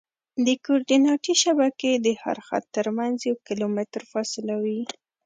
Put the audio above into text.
د کورډیناتي شبکې د هر خط ترمنځ یو کیلومتر فاصله وي